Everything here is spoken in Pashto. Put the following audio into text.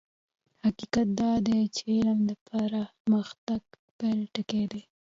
حقيقت دا دی چې علم د پرمختګ پيل ټکی دی.